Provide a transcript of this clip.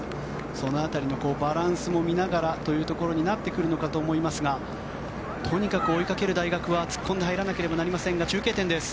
その辺りのバランスも見ながらということになってくるかと思いますがとにかく追いかける大学は突っ込んで入らなければなりませんが中継点です。